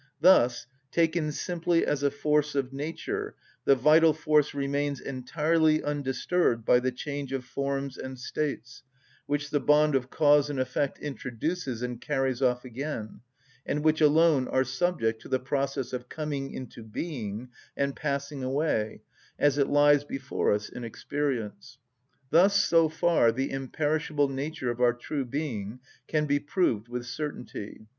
Thus, taken simply as a force of nature, the vital force remains entirely undisturbed by the change of forms and states, which the bond of cause and effect introduces and carries off again, and which alone are subject to the process of coming into being and passing away, as it lies before us in experience. Thus so far the imperishable nature of our true being can be proved with certainty.